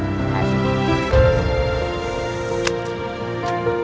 aduh pak minta pak